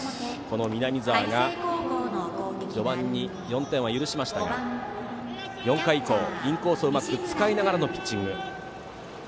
南澤が序盤、４点は許しましたが４回以降、インコースをうまく使いながらのピッチング。